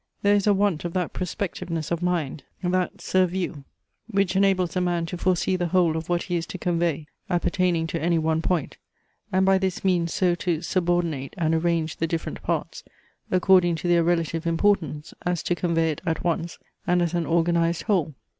There is a want of that prospectiveness of mind, that surview, which enables a man to foresee the whole of what he is to convey, appertaining to any one point; and by this means so to subordinate and arrange the different parts according to their relative importance, as to convey it at once, and as an organized whole.